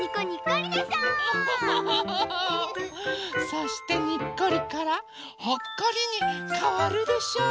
そしてにっこりからほっこりにかわるでしょう！